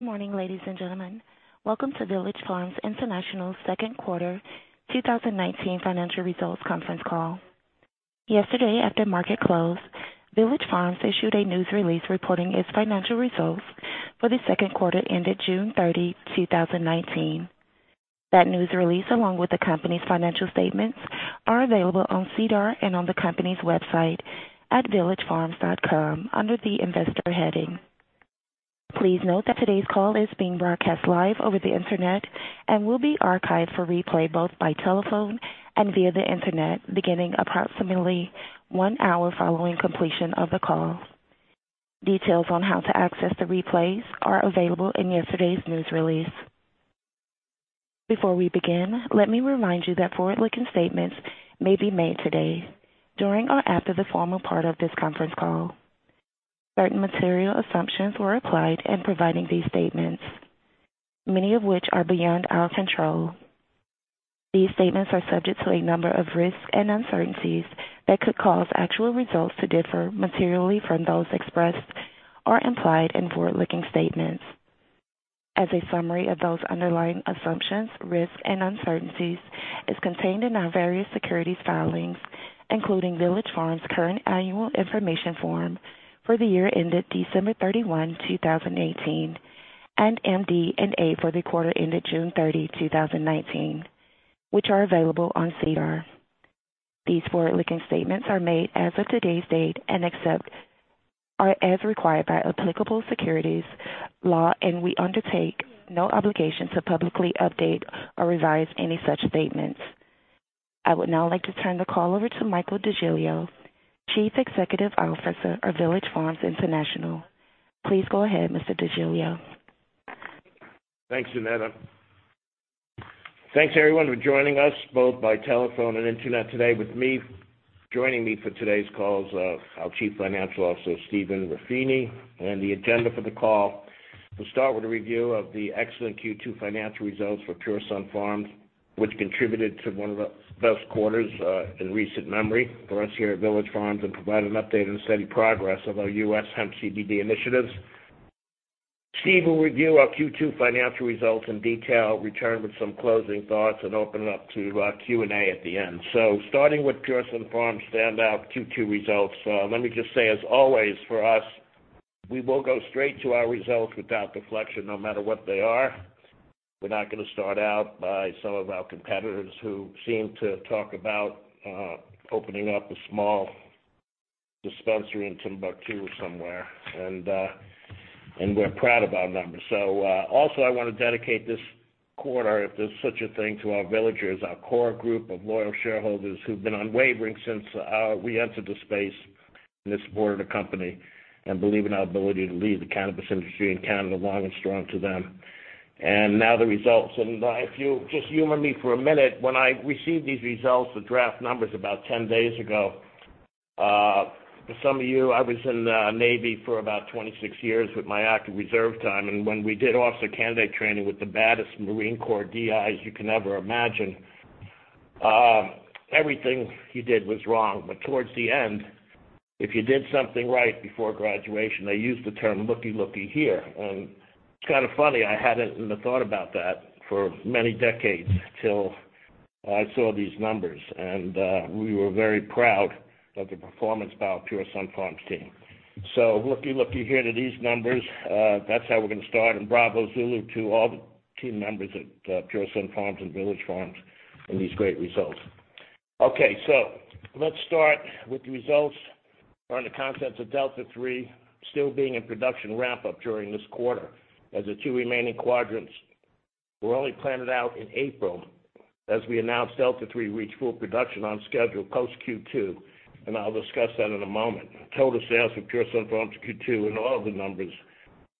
Good morning, ladies and gentlemen. Welcome to Village Farms International's second quarter 2019 financial results conference call. Yesterday, after market close, Village Farms issued a news release reporting its financial results for the second quarter ended June 30, 2019. That news release, along with the company's financial statements, are available on SEDAR and on the company's website at villagefarms.com under the Investor heading. Please note that today's call is being broadcast live over the internet and will be archived for replay both by telephone and via the internet, beginning approximately 1 hour following completion of the call. Details on how to access the replays are available in yesterday's news release. Before we begin, let me remind you that forward-looking statements may be made today during or after the formal part of this conference call. Certain material assumptions were applied in providing these statements, many of which are beyond our control. These statements are subject to a number of risks and uncertainties that could cause actual results to differ materially from those expressed or implied in forward-looking statements. As a summary of those underlying assumptions, risks, and uncertainties is contained in our various securities filings, including Village Farms' current annual information form for the year ended December 31, 2018, and MD&A for the quarter ended June 30, 2019, which are available on SEDAR. These forward-looking statements are made as of today's date and except as required by applicable securities law, and we undertake no obligation to publicly update or revise any such statements. I would now like to turn the call over to Michael DeGiglio, Chief Executive Officer of Village Farms International. Please go ahead, Mr. DeGiglio. Thanks, Annetta. Thanks, everyone, for joining us both by telephone and internet today. With me, joining me for today's call is our Chief Financial Officer, Stephen Ruffini. The agenda for the call, we'll start with a review of the excellent Q2 financial results for Pure Sunfarms, which contributed to one of the best quarters in recent memory for us here at Village Farms and provide an update on the steady progress of our U.S. hemp CBD initiatives. Steve will review our Q2 financial results in detail, return with some closing thoughts and open it up to our Q&A at the end. Starting with Pure Sunfarms' standout Q2 results, let me just say, as always, for us, we will go straight to our results without deflection no matter what they are. We're not going to start out by some of our competitors who seem to talk about opening up a small dispensary in Timbuktu somewhere. We're proud of our numbers. Also I want to dedicate this quarter, if there's such a thing, to our Villagers, our core group of loyal shareholders who've been unwavering since we entered the space and have supported the company and believe in our ability to lead the cannabis industry in Canada. Long and strong to them. Now the results. If you'll just humor me for a minute. When I received these results, the draft numbers about 10 days ago, for some of you, I was in the Navy for about 26 years with my active reserve time, and when we did officer candidate training with the baddest Marine Corps DIs you can ever imagine, everything you did was wrong. Towards the end, if you did something right before graduation, they used the term, "Looky, looky here." It's kind of funny, I hadn't even thought about that for many decades till I saw these numbers. We were very proud of the performance by our Pure Sunfarms team. Looky, looky here to these numbers. That's how we're going to start, and bravo zulu to all the team members at Pure Sunfarms and Village Farms in these great results. Okay. Let's start with the results around the contents of Delta-3 still being in production ramp-up during this quarter, as the two remaining quadrants were only planted out in April, as we announced Delta-3 reached full production on schedule post Q2, and I'll discuss that in a moment. Total sales for Pure Sunfarms Q2 and all other numbers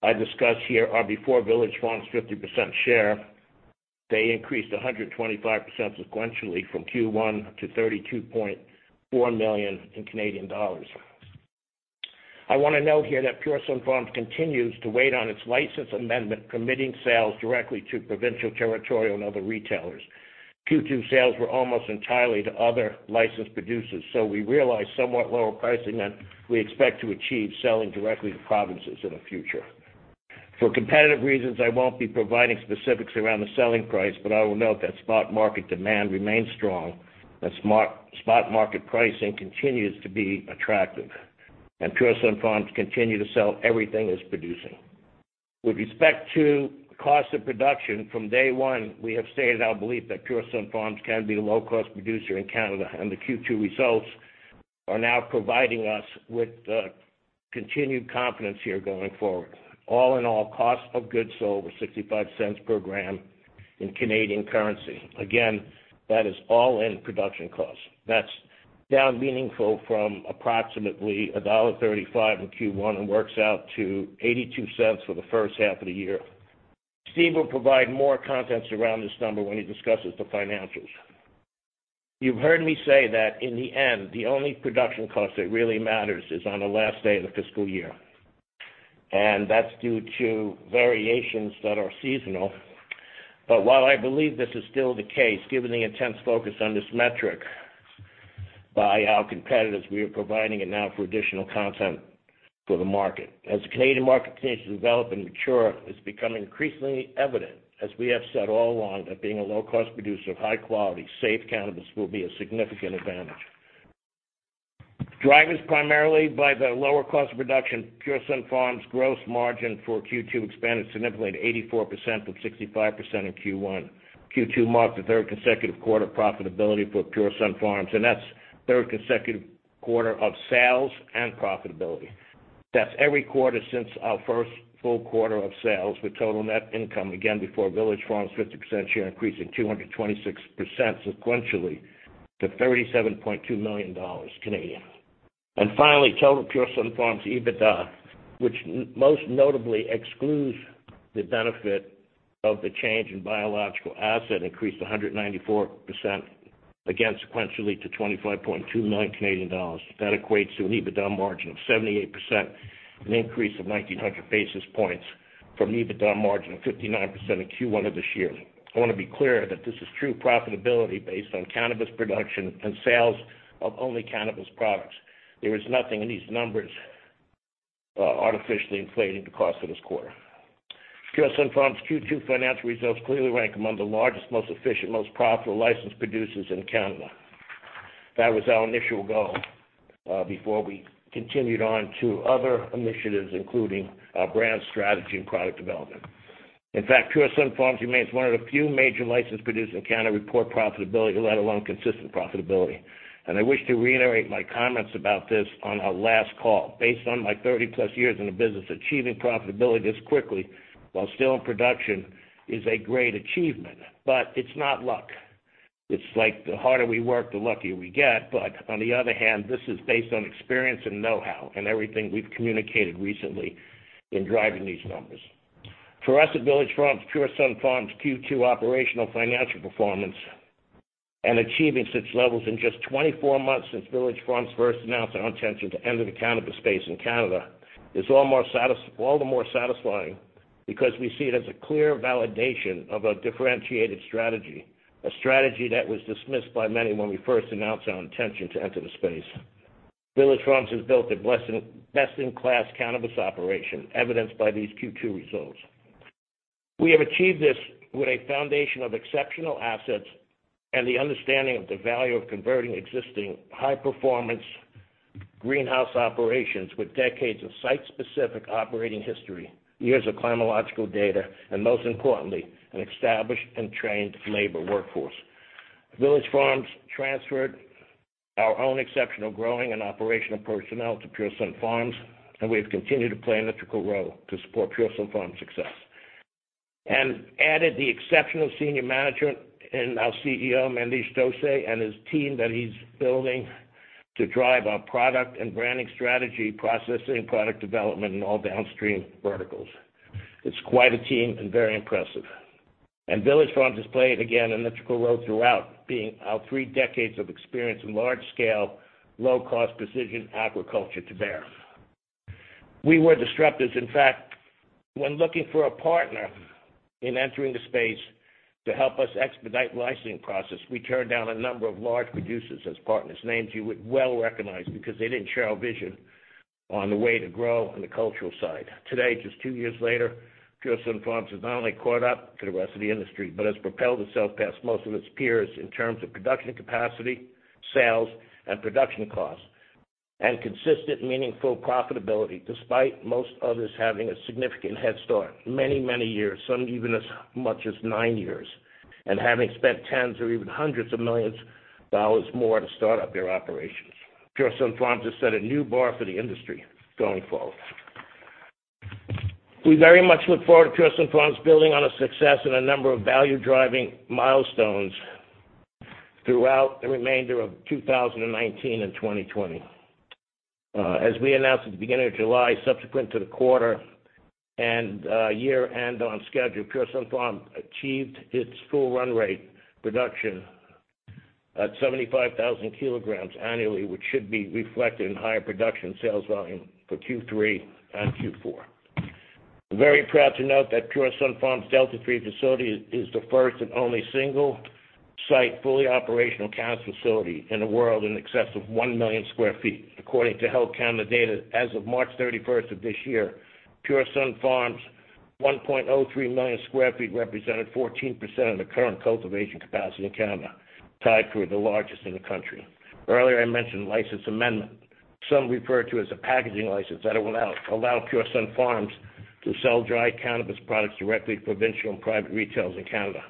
I discuss here are before Village Farms' 50% share. They increased 125% sequentially from Q1 to 32.4 million. I want to note here that Pure Sunfarms continues to wait on its license amendment, permitting sales directly to provincial, territorial, and other retailers. Q2 sales were almost entirely to other licensed producers, so we realized somewhat lower pricing than we expect to achieve selling directly to provinces in the future. For competitive reasons, I won't be providing specifics around the selling price, but I will note that spot market demand remains strong and spot market pricing continues to be attractive, and Pure Sunfarms continue to sell everything it's producing. With respect to cost of production, from day one, we have stated our belief that Pure Sunfarms can be the low-cost producer in Canada, and the Q2 results are now providing us with continued confidence here going forward. All in all, cost of goods sold was 0.65 per gram in Canadian currency. Again, that is all-in production cost. That's down meaningful from approximately dollar 1.35 in Q1 and works out to 0.82 for the first half of the year. Steve will provide more context around this number when he discusses the financials. You've heard me say that in the end, the only production cost that really matters is on the last day of the fiscal year, and that's due to variations that are seasonal. while I believe this is still the case, given the intense focus on this metric by our competitors. We are providing it now for additional content for the market. As the Canadian market continues to develop and mature, it's become increasingly evident, as we have said all along, that being a low-cost producer of high-quality, safe cannabis will be a significant advantage. Driven primarily by the lower cost of production, Pure Sunfarms' gross margin for Q2 expanded significantly to 84%, from 65% in Q1. Q2 marked the third consecutive quarter of profitability for Pure Sunfarms, and that's the third consecutive quarter of sales and profitability. That's every quarter since our first full quarter of sales, with total net income, again before Village Farms' 50% share, increasing 226% sequentially to 37.2 million Canadian dollars. Finally, total Pure Sunfarms EBITDA, which most notably excludes the benefit of the change in biological asset, increased 194%, again sequentially, to 25.2 million Canadian dollars. That equates to an EBITDA margin of 78%, an increase of 1,900 basis points from the EBITDA margin of 59% in Q1 of this year. I want to be clear that this is true profitability based on cannabis production and sales of only cannabis products. There is nothing in these numbers artificially inflating the cost for this quarter. Pure Sunfarms' Q2 financial results clearly rank among the largest, most efficient, most profitable licensed producers in Canada. That was our initial goal before we continued on to other initiatives, including our brand strategy and product development. In fact, Pure Sunfarms remains one of the few major licensed producers in Canada to report profitability, let alone consistent profitability. I wish to reiterate my comments about this on our last call. Based on my 30-plus years in the business, achieving profitability this quickly while still in production is a great achievement, but it's not luck. It's like the harder we work, the luckier we get, but on the other hand, this is based on experience and know-how and everything we've communicated recently in driving these numbers. For us at Village Farms, Pure Sunfarms' Q2 operational financial performance and achieving such levels in just 24 months since Village Farms first announced our intention to enter the cannabis space in Canada, is all the more satisfying because we see it as a clear validation of a differentiated strategy, a strategy that was dismissed by many when we first announced our intention to enter the space. Village Farms has built a best-in-class cannabis operation, evidenced by these Q2 results. We have achieved this with a foundation of exceptional assets and the understanding of the value of converting existing high-performance greenhouse operations with decades of site-specific operating history, years of climatological data, and most importantly, an established and trained labor workforce. Village Farms transferred our own exceptional growing and operational personnel to Pure Sunfarms, and we have continued to play a critical role to support Pure Sunfarms' success. Added the exceptional senior management and our CEO, Mandesh Dosanjh, and his team that he's building to drive our product and branding strategy, processing, product development in all downstream verticals. It's quite a team and very impressive. Village Farms has played, again, a critical role throughout, bringing our three decades of experience in large-scale, low-cost precision agriculture to bear. We were disruptors. In fact, when looking for a partner in entering the space to help us expedite the licensing process, we turned down a number of large producers as partners, names you would well recognize, because they didn't share our vision on the way to grow on the cultural side. Today, just two years later, Pure Sunfarms has not only caught up to the rest of the industry but has propelled itself past most of its peers in terms of production capacity, sales and production costs, and consistent, meaningful profitability, despite most others having a significant head start, many years, some even as much as nine years, and having spent tens or even hundreds of millions of CAD more to start up their operations. Pure Sunfarms has set a new bar for the industry going forward. We very much look forward to Pure Sunfarms building on a success and a number of value-driving milestones throughout the remainder of 2019 and 2020. As we announced at the beginning of July, subsequent to the quarter and year-end on schedule, Pure Sunfarms achieved its full run rate production at 75,000 kilograms annually, which should be reflected in higher production sales volume for Q3 and Q4. I'm very proud to note that Pure Sunfarms' Delta-3 facility is the first and only single-site, fully operational cannabis facility in the world in excess of 1,000,000 square feet. According to Health Canada data, as of March 31st of this year, Pure Sunfarms' 1.03 million square feet represented 14% of the current cultivation capacity in Canada, tied for the largest in the country. Earlier, I mentioned the license amendment, some refer to as a packaging license, that will allow Pure Sunfarms to sell dry cannabis products directly to provincial and private retailers in Canada.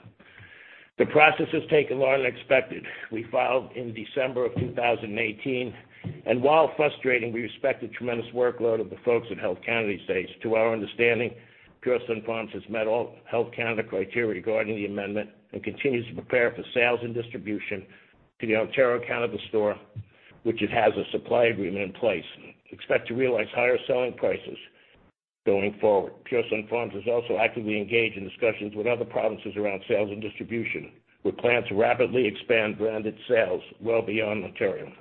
The process has taken longer than expected. We filed in December of 2018, and while frustrating, we respect the tremendous workload of the folks at Health Canada these days. To our understanding, Pure Sunfarms has met all Health Canada criteria regarding the amendment and continues to prepare for sales and distribution to the Ontario Cannabis Store, which it has a supply agreement in place. Expect to realize higher selling prices going forward. Pure Sunfarms is also actively engaged in discussions with other provinces around sales and distribution, with plans to rapidly expand branded sales well beyond Ontario.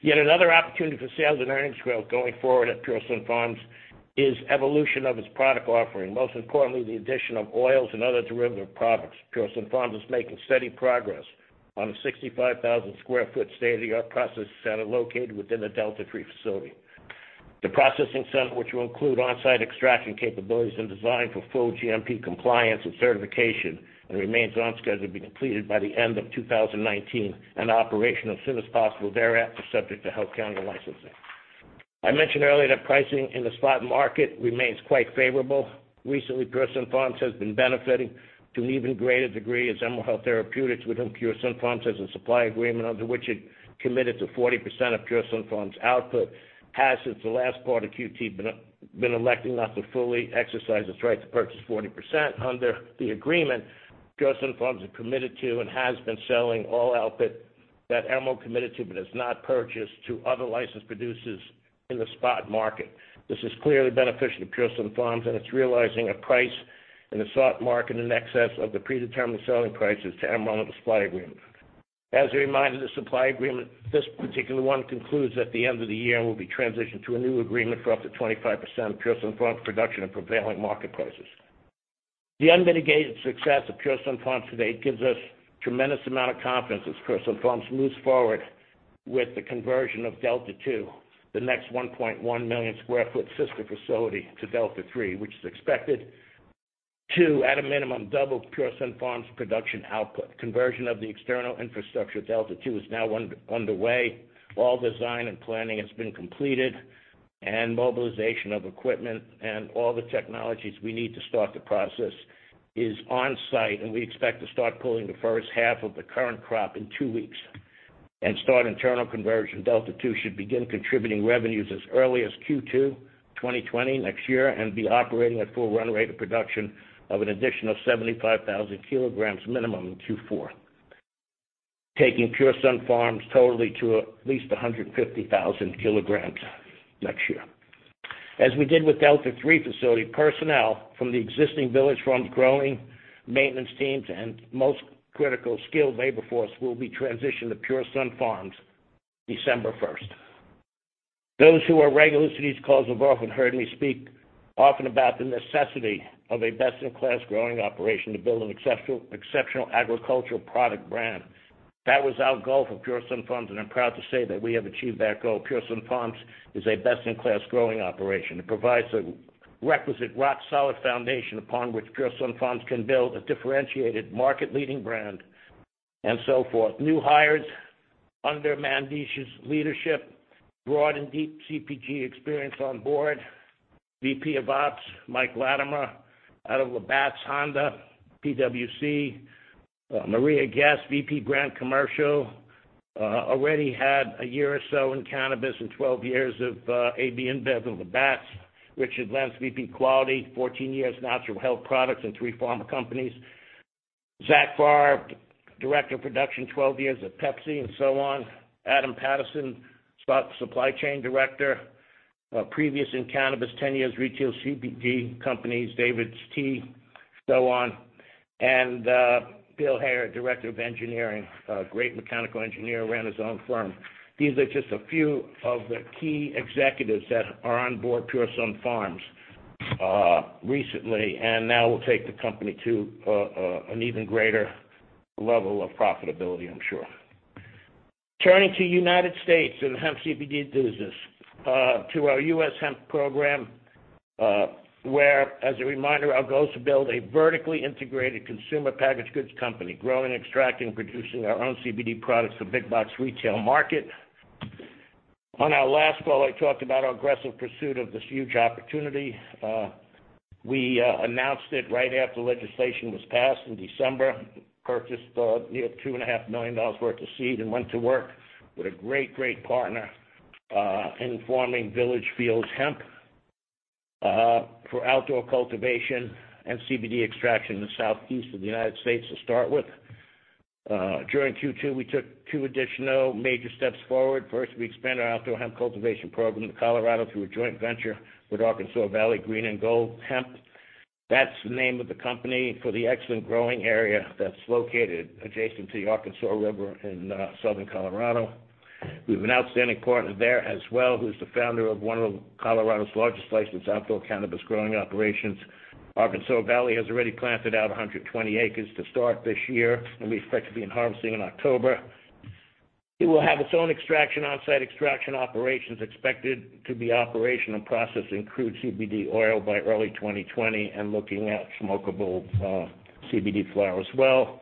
Yet another opportunity for sales and earnings growth going forward at Pure Sunfarms is evolution of its product offering, most importantly, the addition of oils and other derivative products. Pure Sunfarms is making steady progress on a 65,000 square foot state-of-the-art processing center located within the Delta-3 facility. The processing center, which will include on-site extraction capabilities and designed for full GMP compliance and certification, and remains on schedule to be completed by the end of 2019 and operational as soon as possible thereafter, subject to Health Canada licensing. I mentioned earlier that pricing in the spot market remains quite favorable. Recently, Pure Sunfarms has been benefiting to an even greater degree as Emerald Health Therapeutics, with whom Pure Sunfarms has a supply agreement under which it committed to 40% of Pure Sunfarms output, has since the last part of Q2 been electing not to fully exercise its right to purchase 40%. Under the agreement, Pure Sunfarms is committed to and has been selling all output that Emerald committed to but has not purchased to other licensed producers in the spot market. This is clearly beneficial to Pure Sunfarms, and it's realizing a price in the spot market in excess of the predetermined selling prices to Emerald of the supply agreement. As a reminder, the supply agreement, this particular one concludes at the end of the year and will be transitioned to a new agreement for up to 25% of Pure Sunfarms production at prevailing market prices. The unmitigated success of Pure Sunfarms to date gives us tremendous amount of confidence as Pure Sunfarms moves forward with the conversion of Delta-2, the next 1.1 million sq ft sister facility to Delta-3, which is expected to, at a minimum, double Pure Sunfarms production output. Conversion of the external infrastructure at Delta-2 is now underway. All design and planning has been completed. Mobilization of equipment and all the technologies we need to start the process is on-site. We expect to start pulling the first half of the current crop in two weeks and start internal conversion. Delta-2 should begin contributing revenues as early as Q2 2020, next year, and be operating at full run rate of production of an additional 75,000 kilograms minimum in Q4, taking Pure Sunfarms totally to at least 150,000 kilograms next year. As we did with Delta-3 facility, personnel from the existing Village Farms growing maintenance teams and most critical skilled labor force will be transitioned to Pure Sunfarms December 1st. Those who are regulars to these calls have often heard me speak often about the necessity of a best-in-class growing operation to build an exceptional agricultural product brand. That was our goal for Pure Sunfarms, I'm proud to say that we have achieved that goal. Pure Sunfarms is a best-in-class growing operation. It provides a requisite rock-solid foundation upon which Pure Sunfarms can build a differentiated market-leading brand and so forth. New hires under Mandesh's leadership, broad and deep CPG experience on board. VP of Ops, Mike Latimer, out of Labatt's Honda, PwC. Maria Guest, VP Brand Commercial, already had a year or so in cannabis and 12 years of AB InBev and Labatt's. Richard Lanthier, VP Quality, 14 years natural health products and three pharma companies. Zach Farr, Director of Production, 12 years at Pepsi and so on. Adam Patterson, Supply Chain Director, previous in cannabis, 10 years retail CBD companies, DAVIDsTEA, so on. Bill Hare, Director of Engineering, a great mechanical engineer, ran his own firm. These are just a few of the key executives that are on board Pure Sunfarms recently and now will take the company to an even greater level of profitability, I'm sure. Turning to United States and the hemp CBD business, to our U.S. hemp program, where, as a reminder, our goal is to build a vertically integrated consumer packaged goods company, growing, extracting, producing our own CBD products for big box retail market. On our last call, I talked about our aggressive pursuit of this huge opportunity. We announced it right after legislation was passed in December, purchased near 2.5 million dollars worth of seed and went to work with a great partner in forming Village Fields Hemp, for outdoor cultivation and CBD extraction in the Southeast of the United States to start with. During Q2, we took two additional major steps forward. First, we expanded our outdoor hemp cultivation program to Colorado through a joint venture with Arkansas Valley Green and Gold Hemp. That's the name of the company for the excellent growing area that's located adjacent to the Arkansas River in southern Colorado. We have an outstanding partner there as well, who's the founder of one of Colorado's largest licensed outdoor cannabis growing operations. Arkansas Valley has already planted out 120 acres to start this year and we expect to be harvesting in October. It will have its own extraction, on-site extraction operations expected to be operational and processing crude CBD oil by early 2020 and looking at smokable CBD flower as well.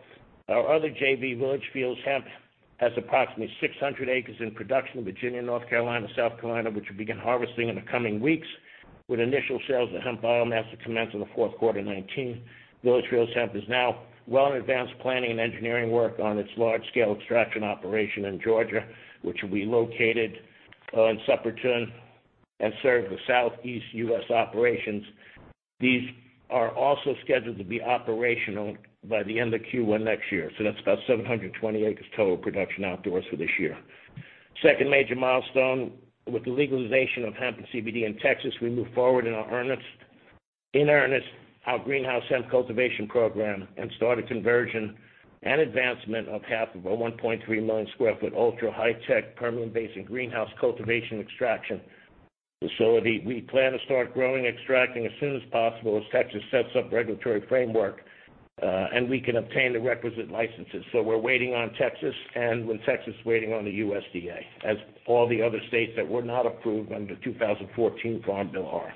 Our other JV, Village Fields Hemp, has approximately 600 acres in production in Virginia, North Carolina, South Carolina, which will begin harvesting in the coming weeks, with initial sales of hemp biomass to commence in the fourth quarter 2019. Village Fields Hemp is now well advanced planning and engineering work on its large-scale extraction operation in Georgia, which will be located in Suwanee and serve the Southeast U.S. operations. These are also scheduled to be operational by the end of Q1 next year. That's about 720 acres total production outdoors for this year. Second major milestone, with the legalization of hemp and CBD in Texas, we moved forward in our earnest, our greenhouse hemp cultivation program and start a conversion and advancement of half of our 1.3 million square foot ultra high tech Permian Basin greenhouse cultivation extraction facility. We plan to start growing and extracting as soon as possible as Texas sets up regulatory framework, and we can obtain the requisite licenses. We're waiting on Texas, and with Texas waiting on the USDA, as all the other states that were not approved under the 2014 Farm Bill are.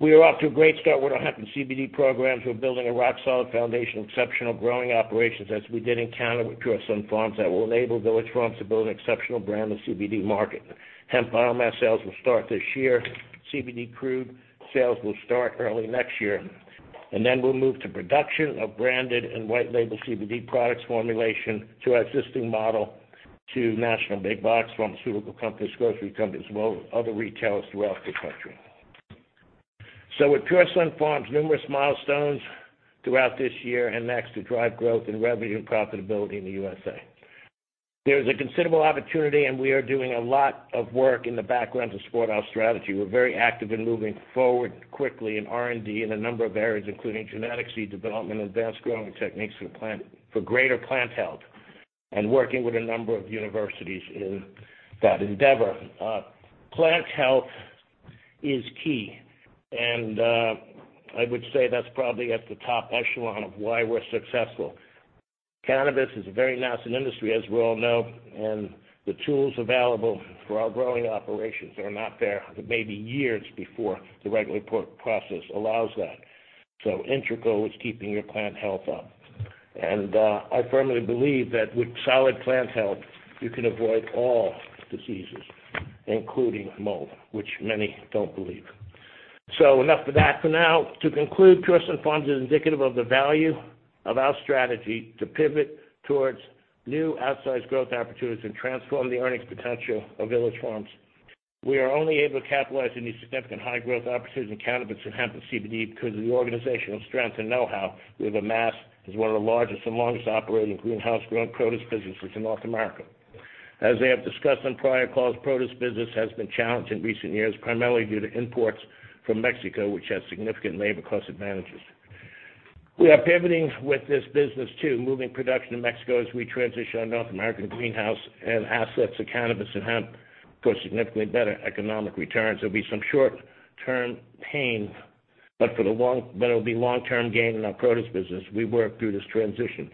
We are off to a great start with our hemp and CBD programs. We're building a rock-solid foundation of exceptional growing operations, as we did in Canada with Pure Sunfarms, that will enable Village Farms to build an exceptional brand in the CBD market. Hemp biomass sales will start this year. CBD crude sales will start early next year. we'll move to production of branded and white label CBD products formulation through our existing model to national big box pharmaceutical companies, grocery companies, as well as other retailers throughout the country. with Pure Sunfarms, numerous milestones throughout this year and next to drive growth and revenue and profitability in the USA. There is a considerable opportunity, and we are doing a lot of work in the background to support our strategy. We're very active in moving forward quickly in R&D in a number of areas, including genetic seed development, advanced growing techniques for greater plant health, and working with a number of universities in that endeavor. Plant health is key, and I would say that's probably at the top echelon of why we're successful. Cannabis is a very nascent industry, as we all know, and the tools available for our growing operations are not there. It may be years before the regulatory process allows that. Integral is keeping your plant health up. I firmly believe that with solid plant health, you can avoid all diseases, including mold, which many don't believe. Enough of that for now. To conclude, Pure Sunfarms is indicative of the value of our strategy to pivot towards new outsized growth opportunities and transform the earnings potential of Village Farms. We are only able to capitalize on these significant high-growth opportunities in cannabis and hemp and CBD because of the organizational strength and know-how we have amassed as one of the largest and longest operating greenhouse-grown produce businesses in North America. As I have discussed on prior calls, produce business has been challenged in recent years, primarily due to imports from Mexico, which has significant labor cost advantages. We are pivoting with this business, too, moving production to Mexico as we transition our North American greenhouse and assets to cannabis and hemp for significantly better economic returns. There'll be some short-term pain, but there will be long-term gain in our produce business as we work through this transition.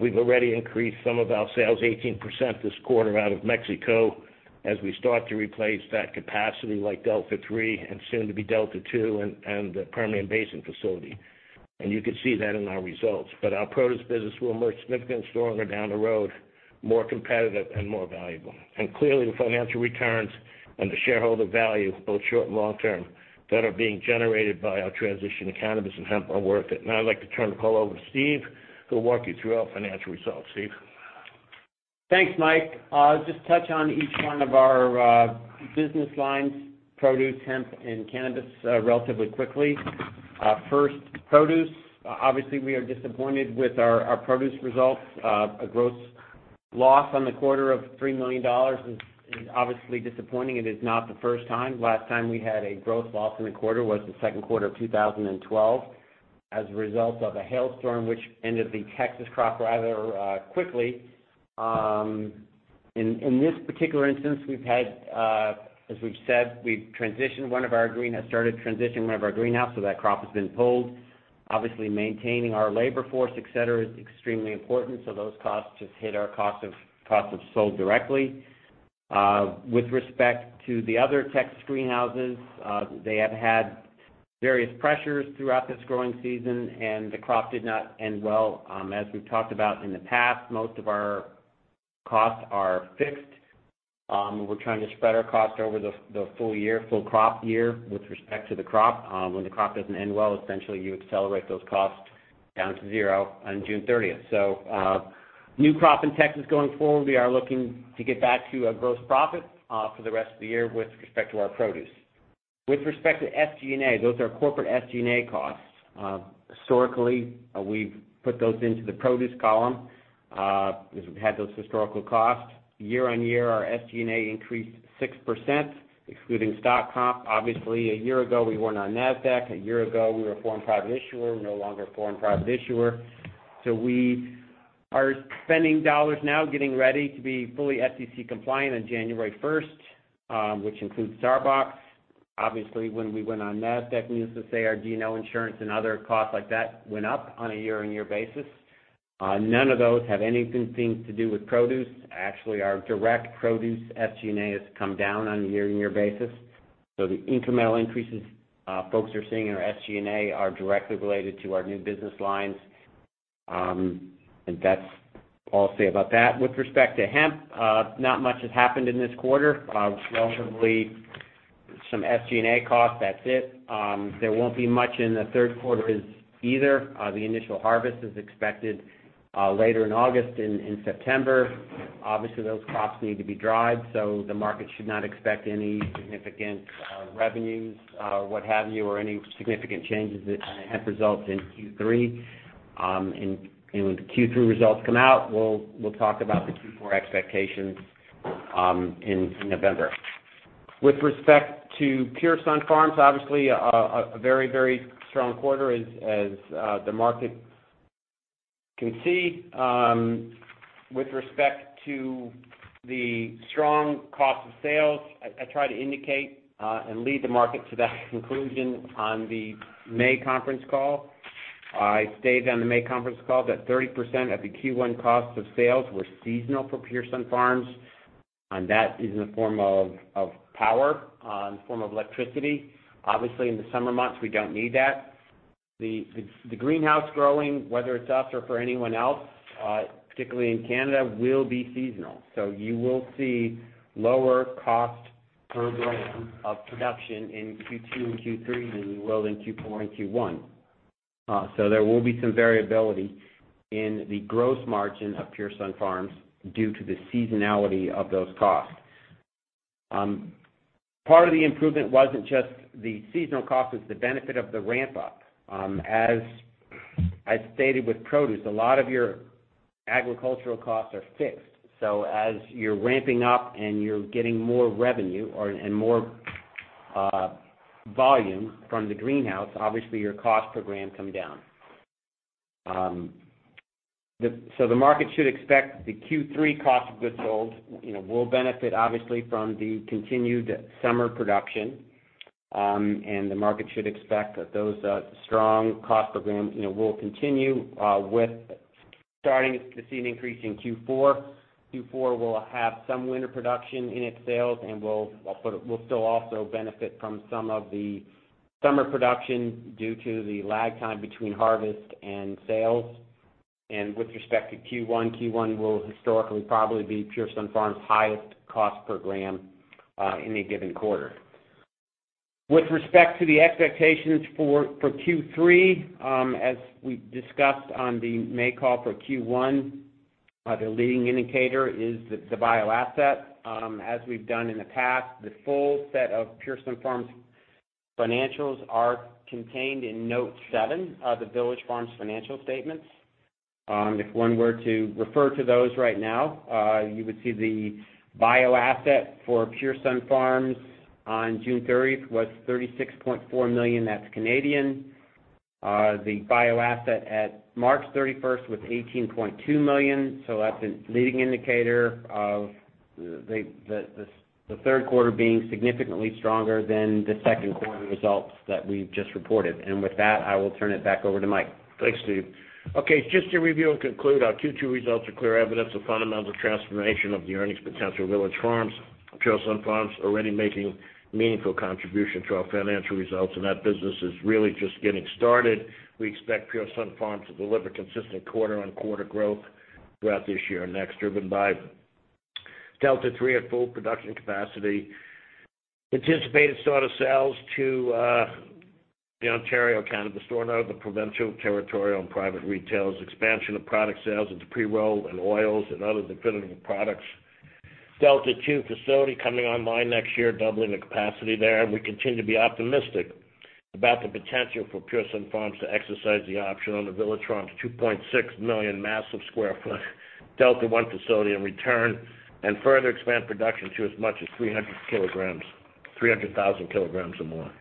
We've already increased some of our sales 18% this quarter out of Mexico as we start to replace that capacity like Delta 3 and soon to be Delta 2 and the Permian Basin facility. You can see that in our results. Our produce business will emerge significantly stronger down the road, more competitive and more valuable. Clearly, the financial returns and the shareholder value, both short- and long-term, that are being generated by our transition to cannabis and hemp are worth it. Now I'd like to turn the call over to Steve, who'll walk you through our financial results. Steve? Thanks, Mike. I'll just touch on each one of our business lines, produce, hemp, and cannabis, relatively quickly. First, produce. Obviously, we are disappointed with our produce results. A gross loss on the quarter of 3 million dollars is obviously disappointing. It is not the first time. Last time we had a gross loss in a quarter was the second quarter of 2012 as a result of a hailstorm which ended the Texas crop rather quickly. In this particular instance, as we've said, we've started transitioning one of our greenhouses, so that crop has been pulled. Obviously, maintaining our labor force, et cetera, is extremely important. Those costs just hit our cost of goods sold directly. With respect to the other Texas greenhouses, they have had various pressures throughout this growing season, and the crop did not end well. As we've talked about in the past, most of our costs are fixed. We're trying to spread our cost over the full crop year with respect to the crop. When the crop doesn't end well, essentially you accelerate those costs down to zero on June 30th. New crop in Texas going forward, we are looking to get back to a gross profit for the rest of the year with respect to our produce. With respect to SG&A, those are corporate SG&A costs. Historically, we've put those into the produce column because we've had those historical costs. Year-over-year, our SG&A increased 6%, excluding stock comp. Obviously, a year ago, we weren't on Nasdaq. A year ago, we were a foreign private issuer. We're no longer a foreign private issuer. We are spending dollars now getting ready to be fully SEC compliant on January 1st, which includes Sarbox. Obviously, when we went on Nasdaq, needless to say, our D&O insurance and other costs like that went up on a year-on-year basis. None of those have anything to do with produce. Actually, our direct produce SG&A has come down on a year-on-year basis. the incremental increases folks are seeing in our SG&A are directly related to our new business lines. that's all I'll say about that. With respect to hemp, not much has happened in this quarter. Relatively some SG&A costs, that's it. There won't be much in the third quarter either. The initial harvest is expected later in August and in September. Obviously, those crops need to be dried, so the market should not expect any significant revenues or what have you, or any significant changes in hemp results in Q3. when the Q3 results come out, we'll talk about the Q4 expectations in November. With respect to Pure Sunfarms, obviously, a very strong quarter as the market can see. With respect to the strong cost of sales, I try to indicate and lead the market to that conclusion on the May conference call. I stated on the May conference call that 30% of the Q1 cost of sales were seasonal for Pure Sunfarms, and that is in the form of power, in the form of electricity. Obviously, in the summer months, we don't need that. The greenhouse growing, whether it's us or for anyone else, particularly in Canada, will be seasonal. You will see lower cost per gram of production in Q2 and Q3 than you will in Q4 and Q1. There will be some variability in the gross margin of Pure Sunfarms due to the seasonality of those costs. Part of the improvement wasn't just the seasonal cost. It's the benefit of the ramp up. As I stated with produce, a lot of your agricultural costs are fixed. as you're ramping up and you're getting more revenue and more volume from the greenhouse, obviously your cost per gram come down. the market should expect the Q3 cost of goods sold will benefit obviously from the continued summer production. the market should expect that those strong cost per gram will continue with starting to see an increase in Q4. Q4 will have some winter production in its sales, and we'll still also benefit from some of the summer production due to the lag time between harvest and sales. with respect to Q1 will historically probably be Pure Sunfarms' highest cost per gram in a given quarter. With respect to the expectations for Q3, as we discussed on the May call for Q1, the leading indicator is the bio-asset. As we've done in the past, the full set of Pure Sunfarms financials are contained in note seven of the Village Farms financial statements. If one were to refer to those right now, you would see the bio-asset for Pure Sunfarms on June 30th was 36.4 million, that's Canadian. The bio-asset at March 31st was 18.2 million. That's a leading indicator of the third quarter being significantly stronger than the second quarter results that we've just reported. With that, I will turn it back over to Mike. Thanks, Steve. Okay, just to review and conclude, our Q2 results are clear evidence of fundamental transformation of the earnings potential of Village Farms. Pure Sun Farms already making meaningful contribution to our financial results, and that business is really just getting started. We expect Pure Sun Farms to deliver consistent quarter-on-quarter growth throughout this year and next, driven by Delta-3 at full production capacity, anticipated start of sales to the Ontario Cannabis Store and other provincial, territorial, and private retailers, expansion of product sales into pre-roll and oils and other derivative products. Delta-2 facility coming online next year, doubling the capacity there. We continue to be optimistic about the potential for Pure Sun Farms to exercise the option on the Village Farms' 2.6 million massive square foot Delta-1 facility and return and further expand production to as much as 300,000 kilograms or more.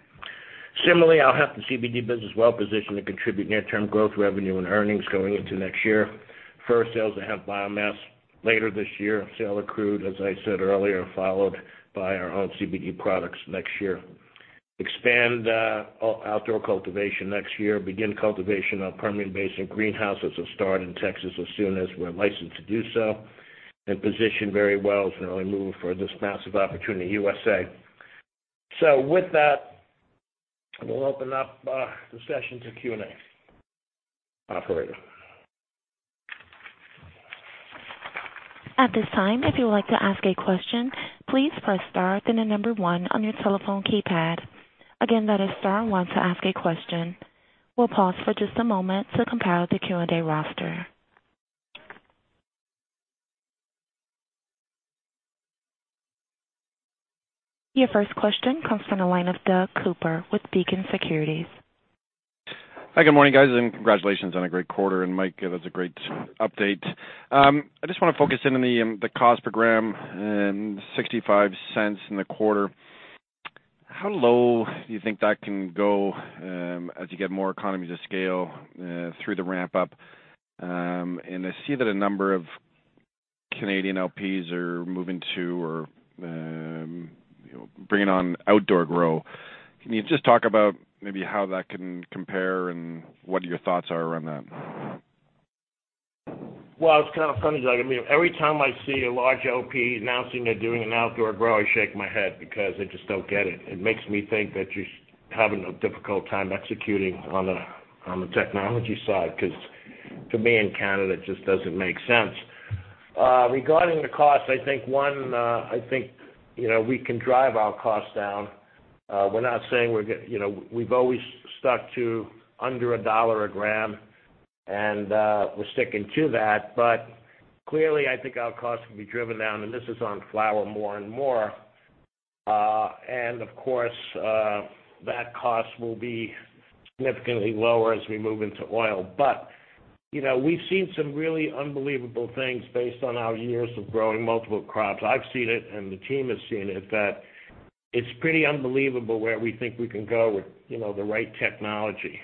Similarly, our hemp and CBD business is well-positioned to contribute near-term growth revenue and earnings going into next year. First sales of hemp biomass later this year, sales of crude, as I said earlier, followed by our own CBD products next year. Expand outdoor cultivation next year. Begin cultivation of permanent basin greenhouses that start in Texas as soon as we're licensed to do so, and positioned very well to really move for this massive opportunity in the USA. With that, we'll open up the session to Q&A. Operator. At this time, if you would like to ask a question, please press star, then the number one on your telephone keypad. Again, that is star one to ask a question. We'll pause for just a moment to compile the Q&A roster. Your first question comes from the line of Douglas Cooper with Beacon Securities. Hi, good morning, guys, and congratulations on a great quarter. Mike, that was a great update. I just want to focus in on the cost per gram and 0.65 in the quarter. How low do you think that can go as you get more economies of scale through the ramp up? I see that a number of Canadian LPs are moving to or bringing on outdoor grow. Can you just talk about maybe how that can compare and what your thoughts are around that? Well, it's kind of funny, Doug. Every time I see a large LP announcing they're doing an outdoor grow, I shake my head because they just don't get it. It makes me think that you're having a difficult time executing on the technology side, because to me in Canada, it just doesn't make sense. Regarding the cost, I think, one, we can drive our costs down. We're not saying. We've always stuck to under CAD 1 a gram, and we're sticking to that. Clearly, I think our costs will be driven down, and this is on flower more and more. Of course, that cost will be significantly lower as we move into oil. We've seen some really unbelievable things based on our years of growing multiple crops. I've seen it, and the team has seen it, that it's pretty unbelievable where we think we can go with the right technology.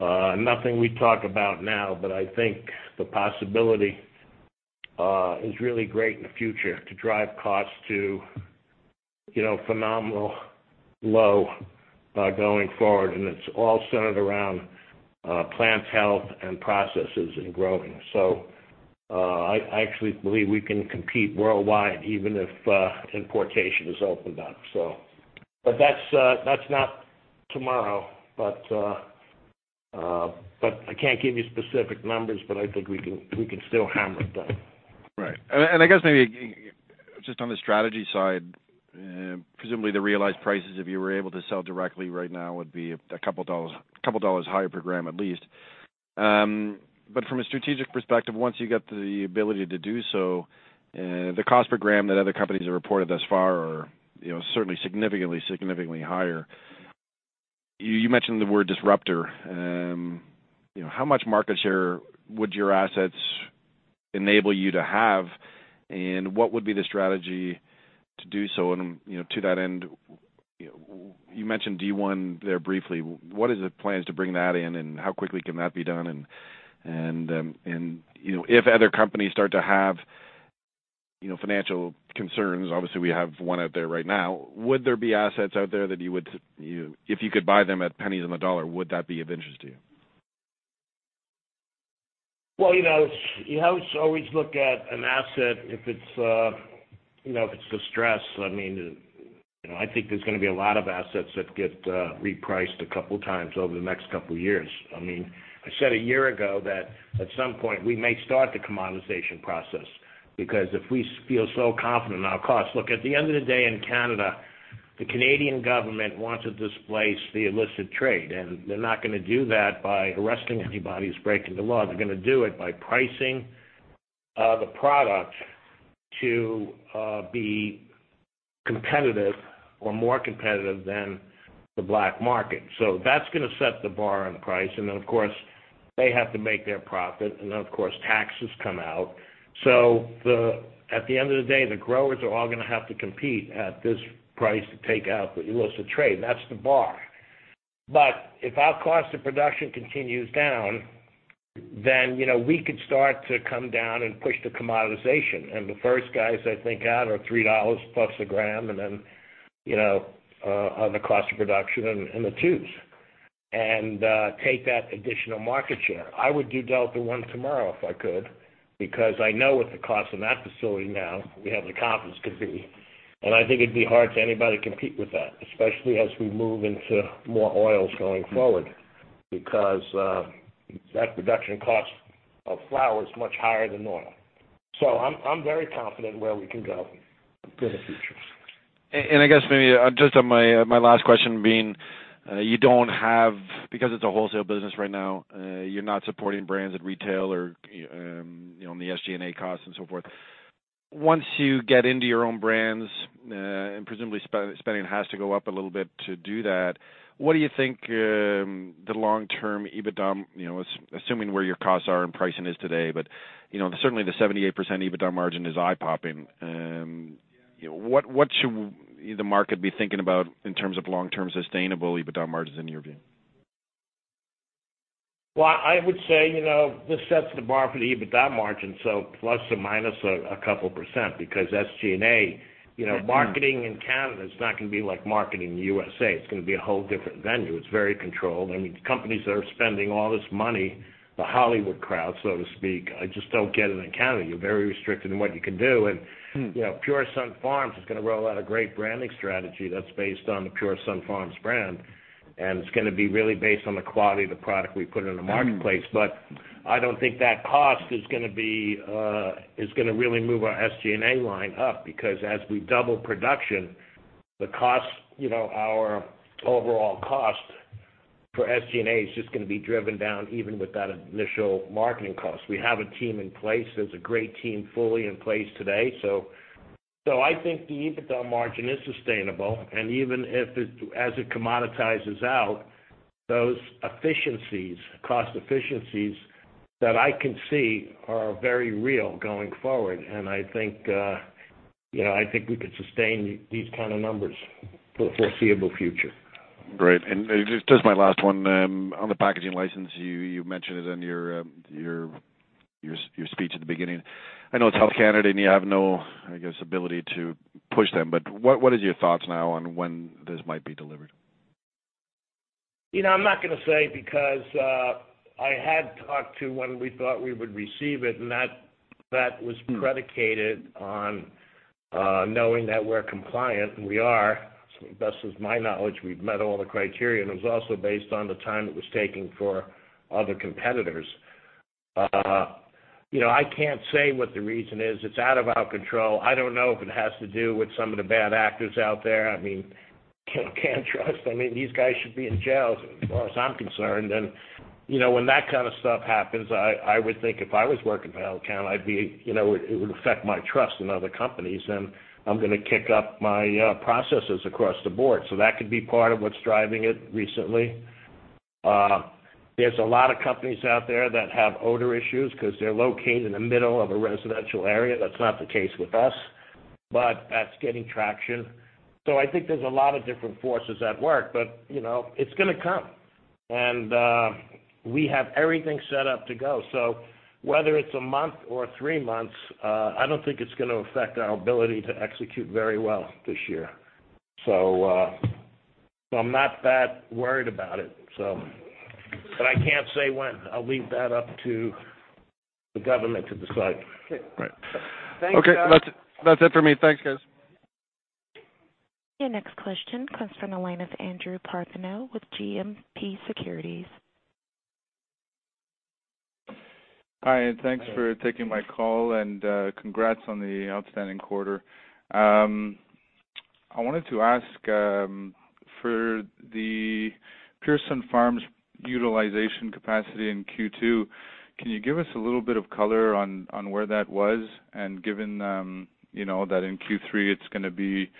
Nothing we talk about now, but I think the possibility is really great in the future to drive costs to phenomenal low going forward. It's all centered around plant health and processes in growing. I actually believe we can compete worldwide, even if importation is opened up. That's not tomorrow. I can't give you specific numbers, but I think we can still hammer it down. Right. I guess maybe just on the strategy side, presumably the realized prices, if you were able to sell directly right now, would be a couple of dollars higher per gram, at least. From a strategic perspective, once you get the ability to do so, the cost per gram that other companies have reported thus far are certainly significantly higher. You mentioned the word disruptor. How much market share would your assets enable you to have, and what would be the strategy to do so? To that end, you mentioned D1 there briefly. What is the plan to bring that in, and how quickly can that be done? If other companies start to have financial concerns, obviously we have one out there right now, would there be assets out there that, if you could buy them at pennies on the dollar, would that be of interest to you? Well, you have to always look at an asset if it's distressed. I think there's going to be a lot of assets that get repriced a couple of times over the next couple of years. I said a year ago that at some point we may start the commoditization process, because if we feel so confident in our costs. Look, at the end of the day in Canada, the Canadian government wants to displace the illicit trade, and they're not going to do that by arresting anybody who's breaking the law. They're going to do it by pricing the product to be competitive or more competitive than the black market. That's going to set the bar on price. Of course, they have to make their profit. Of course, taxes come out. at the end of the day, the growers are all going to have to compete at this price to take out the illicit trade, and that's the bar. if our cost of production continues down, then we could start to come down and push the commoditization. the first guys I think out are 3 dollars plus a gram, and then on the cost of production and the tubes, and take that additional market share. I would do Delta one tomorrow if I could, because I know what the cost of that facility now, we have the confidence could be, and I think it'd be hard to anybody compete with that, especially as we move into more oils going forward, because that production cost of flower is much higher than oil. I'm very confident where we can go in the future. I guess maybe just on my last question being, because it's a wholesale business right now, you're not supporting brands at retail or on the SG&A cost and so forth. Once you get into your own brands, and presumably spending has to go up a little bit to do that, what do you think the long-term EBITDA, assuming where your costs are and pricing is today, but certainly the 78% EBITDA margin is eye-popping. What should the market be thinking about in terms of long-term sustainable EBITDA margins in your view? Well, I would say, this sets the bar for the EBITDA margin, so ± a couple of %, because SG&A, marketing in Canada is not going to be like marketing in U.S. It's going to be a whole different venue. It's very controlled. Companies that are spending all this money, the Hollywood crowd, so to speak, I just don't get it in Canada. You're very restricted in what you can do. Pure Sunfarms is going to roll out a great branding strategy that's based on the Pure Sunfarms brand, and it's going to be really based on the quality of the product we put in the marketplace. I don't think that cost is going to really move our SG&A line up, because as we double production, our overall cost for SG&A is just going to be driven down even with that initial marketing cost. We have a team in place. There's a great team fully in place today. I think the EBITDA margin is sustainable, and even as it commoditizes out, those cost efficiencies that I can see are very real going forward, and I think we could sustain these kind of numbers for the foreseeable future. Great. Just my last one. On the packaging license, you mentioned it in your speech at the beginning. I know it's Health Canada and you have no, I guess, ability to push them, but what is your thoughts now on when this might be delivered? I'm not going to say because I had talked to when we thought we would receive it, and that was predicated on knowing that we're compliant, and we are. To the best of my knowledge, we've met all the criteria, and it was also based on the time it was taking for other competitors. I can't say what the reason is. It's out of our control. I don't know if it has to do with some of the bad actors out there. I mean, can't trust. These guys should be in jail as far as I'm concerned. When that kind of stuff happens, I would think if I was working for Health Canada, it would affect my trust in other companies, and I'm going to kick up my processes across the board. That could be part of what's driving it recently. There's a lot of companies out there that have odor issues because they're located in the middle of a residential area. That's not the case with us, but that's getting traction. I think there's a lot of different forces at work, but it's going to come. We have everything set up to go. Whether it's a month or three months, I don't think it's going to affect our ability to execute very well this year. I'm not that worried about it. I can't say when. I'll leave that up to the government to decide. Okay. Right. Thanks, guys. Okay. That's it for me. Thanks, guys. Your next question comes from the line of Andrew Partheniou with GMP Securities. Hi, and thanks for taking my call, and congrats on the outstanding quarter. I wanted to ask, for the Pure Sunfarms utilization capacity in Q2, can you give us a little bit of color on where that was? given that in Q3 it's going to be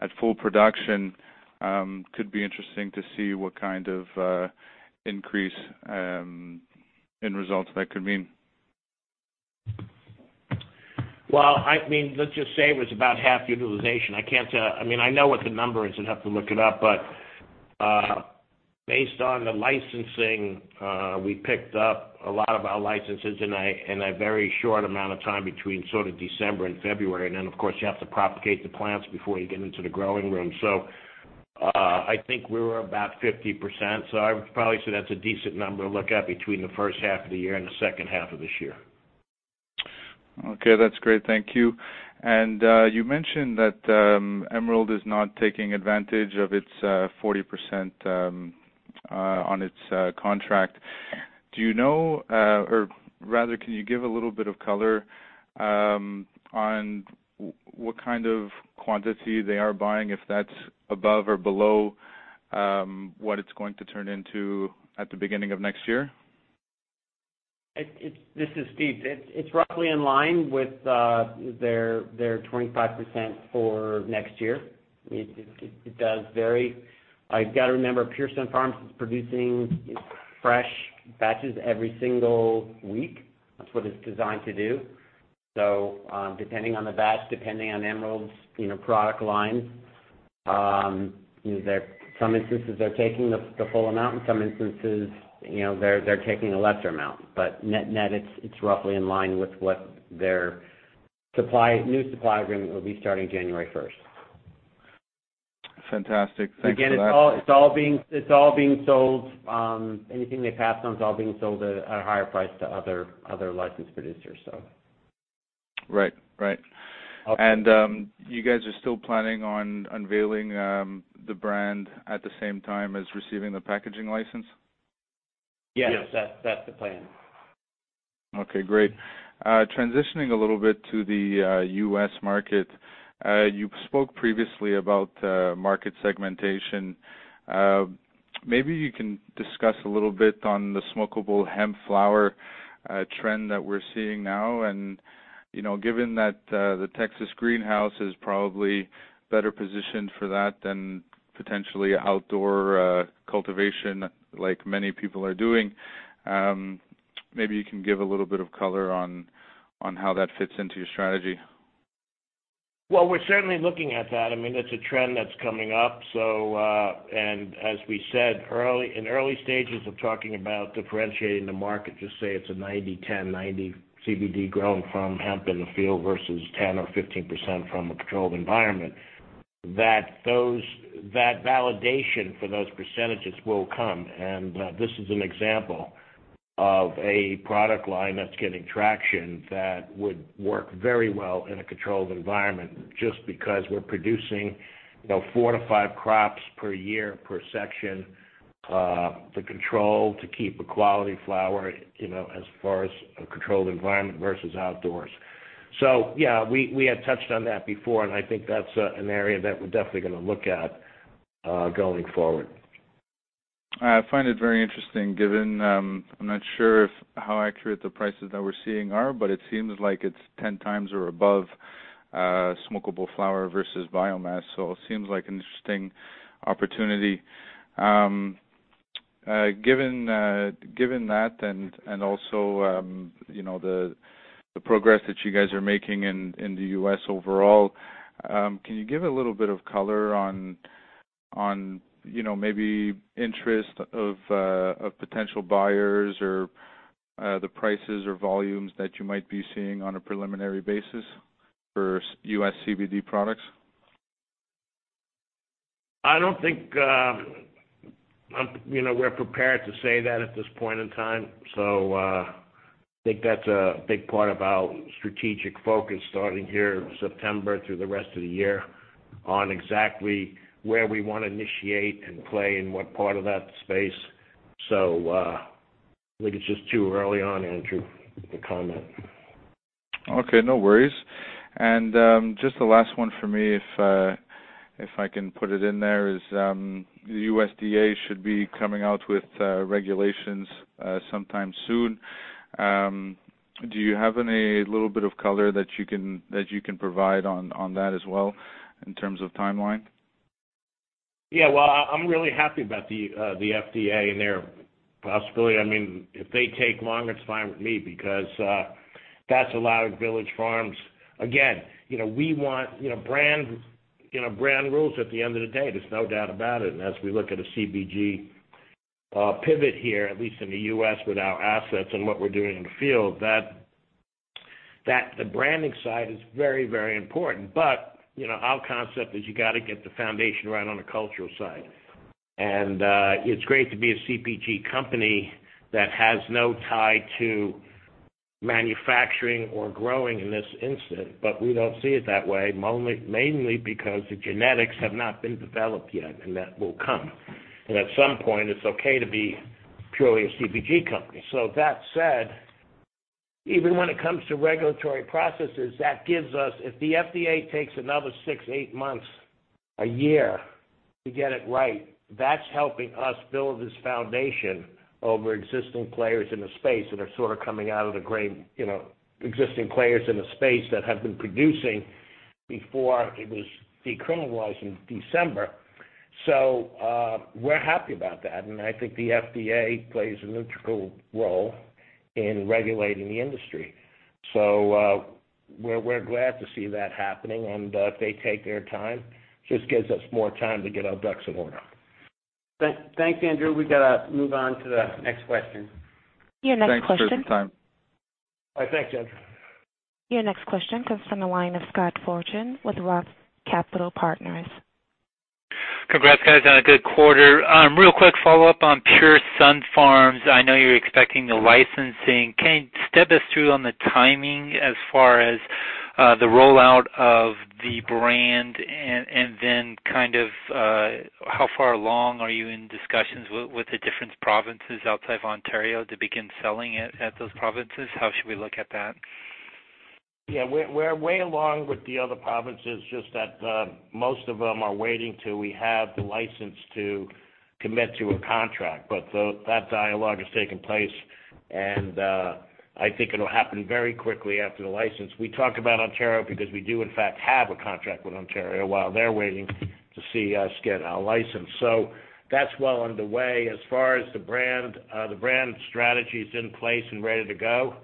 at full production, could be interesting to see what kind of increase in results that could mean. Well, let's just say it was about half utilization. I know what the number is. I'd have to look it up. Based on the licensing, we picked up a lot of our licenses in a very short amount of time between December and February. Then, of course, you have to propagate the plants before you get into the growing room. I think we were about 50%. I would probably say that's a decent number to look at between the first half of the year and the second half of this year. Okay. That's great. Thank you. You mentioned that Emerald is not taking advantage of its 40% on its contract. Do you know, or rather, can you give a little bit of color on what kind of quantity they are buying, if that's above or below what it's going to turn into at the beginning of next year? This is Steve. It's roughly in line with their 25% for next year. It does vary. You got to remember, Pearson Farms is producing fresh batches every single week. That's what it's designed to do. depending on the batch, depending on Emerald's product line, some instances they're taking the full amount. In some instances, they're taking a lesser amount. net, it's roughly in line with what their new supply agreement will be starting January 1st. Fantastic. Thanks for that. Again, it's all being sold. Anything they pass on is all being sold at a higher price to other licensed producers, so. Right. Okay. you guys are still planning on unveiling the brand at the same time as receiving the packaging license? Yes. Yes. That's the plan. Okay, great. Transitioning a little bit to the U.S. market. You spoke previously about market segmentation. Maybe you can discuss a little bit on the smokable hemp flower trend that we're seeing now. Given that the Texas greenhouse is probably better positioned for that than potentially outdoor cultivation like many people are doing, maybe you can give a little bit of color on how that fits into your strategy. Well, we're certainly looking at that. It's a trend that's coming up. As we said, in early stages of talking about differentiating the market, just say it's a 90/10, 90 CBD grown from hemp in the field versus 10 or 15% from a controlled environment, that validation for those percentages will come. This is an example of a product line that's getting traction that would work very well in a controlled environment just because we're producing four to five crops per year per section, the control to keep a quality flower as far as a controlled environment versus outdoors. Yeah, we had touched on that before, and I think that's an area that we're definitely going to look at going forward. I find it very interesting given, I'm not sure how accurate the prices that we're seeing are, but it seems like it's 10 times or above smokable flower versus biomass. It seems like an interesting opportunity. Given that and also the progress that you guys are making in the U.S. overall, can you give a little bit of color on maybe interest of potential buyers or the prices or volumes that you might be seeing on a preliminary basis for U.S. CBD products? I don't think we're prepared to say that at this point in time. I think that's a big part of our strategic focus starting here in September through the rest of the year on exactly where we want to initiate and play and what part of that space. I think it's just too early on, Andrew, to comment. Okay, no worries. Just the last one for me, if I can put it in there, is the USDA should be coming out with regulations sometime soon. Do you have any little bit of color that you can provide on that as well in terms of timeline? Yeah. Well, I'm really happy about the FDA and their possibility. If they take long, it's fine with me because that's allowed Village Farms Again, we want brand rules at the end of the day, there's no doubt about it. As we look at a CPG pivot here, at least in the U.S. with our assets and what we're doing in the field, the branding side is very important. Our concept is you got to get the foundation right on the cultural side. It's great to be a CPG company that has no tie to manufacturing or growing in this instance, but we don't see it that way, mainly because the genetics have not been developed yet, and that will come. At some point, it's okay to be purely a CPG company. That said, even when it comes to regulatory processes, if the FDA takes another six, eight months, a year to get it right, that's helping us build this foundation over existing players in the space that are sort of coming out of the gate, existing players in the space that have been producing before it was decriminalized in December. We're happy about that, and I think the FDA plays an integral role in regulating the industry. We're glad to see that happening and if they take their time, just gives us more time to get our ducks in order. Thanks, Andrew. We got to move on to the next question. Your next question. Thanks for the time. All right. Thanks, Andrew. Your next question comes from the line of Scott Fortune with Roth Capital Partners. Congrats, guys, on a good quarter. Real quick follow-up on Pure Sunfarms. I know you're expecting the licensing. Can you step us through on the timing as far as the rollout of the brand and then kind of how far along are you in discussions with the different provinces outside of Ontario to begin selling it at those provinces? How should we look at that? Yeah. We're way along with the other provinces, just that most of them are waiting till we have the license to commit to a contract. that dialogue has taken place, and I think it'll happen very quickly after the license. We talk about Ontario because we do in fact, have a contract with Ontario while they're waiting to see us get our license. that's well underway. As far as the brand, the brand strategy's in place and ready to go.